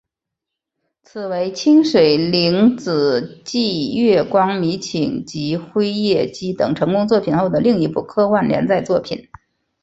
此为清水玲子继月光迷情及辉夜姬等成功作品后的另一部科幻连载作品。